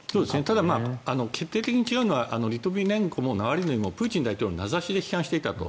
ただ、決定的に違うのはリトビネンコもナワリヌイもプーチンを名指しで批判していたと。